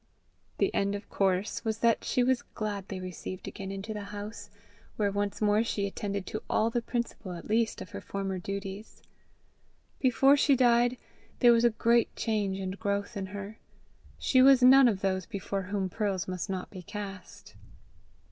The end of course was that she was gladly received again into the house, where once more she attended to all the principal at least of her former duties. Before she died, there was a great change and growth in her: she was none of those before whom pearls must not be cast.